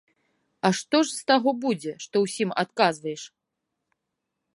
А што ж з таго будзе, што ўсім адказваеш?